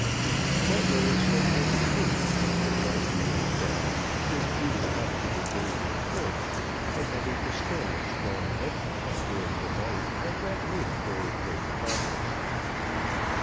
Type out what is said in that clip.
What Lilly said was true; it was the Yungfrau, which was beating up to regain her port, and having to stem a strong ebb tide during the night, had not made very great progress.